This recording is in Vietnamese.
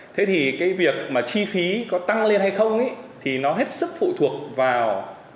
thế thì cái việc mà chi phí có tăng lên hay không thì nó hết sức phụ thuộc vào